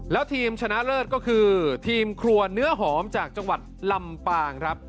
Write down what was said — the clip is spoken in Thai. แล้วทีมชนะเลิศก็คือทีมครัวเนื้อหอมจากจังหวัดลำปางครับ